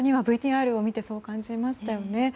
ＶＴＲを見てそう感じましたよね。